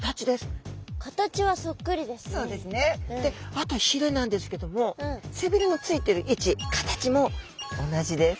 あとひれなんですけども背びれのついてる位置形も同じです。